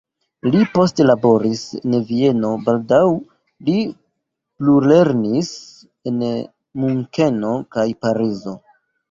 Li poste laboris en Vieno, baldaŭ li plulernis en Munkeno kaj Parizo.